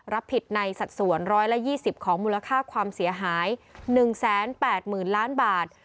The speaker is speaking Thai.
รับผิดในสัดส่วน๑๒๐ของมูลค่าความเสียหาย๑๘๐๐๐ล้านบาท